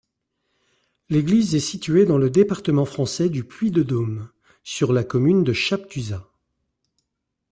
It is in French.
L'église est située dans le département français du Puy-de-Dôme, sur la commune de Chaptuzat.